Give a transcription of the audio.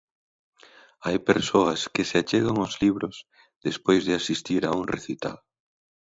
Hai persoas que se achegan aos libros despois de asistir a un recital.